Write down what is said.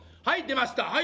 はい出ました